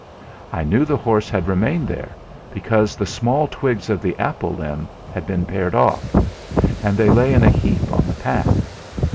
I knew the horse had remained there, because the small twigs of the apple limb had been pared o&, and they lay in a heap on the path.